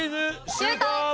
シュート！